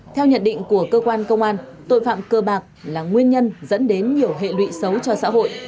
theo nhận định của cơ quan công an tội phạm cơ bạc là nguyên nhân dẫn đến nhiều hệ lụy xấu cho xã hội